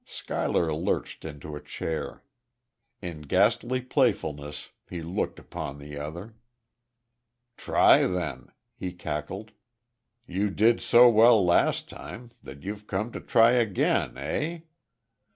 Schuyler lurched into a chair. In ghastly playfulness he looked upon the other. "Try, then," he cackled. "You did so well last time, that you've come to try again, eh?